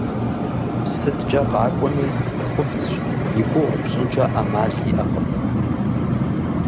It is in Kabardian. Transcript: СыткӀэ къакӀуэми цӀыхубзщ игугъу пщӀынкӀэ Ӏэмал иӀэкъым.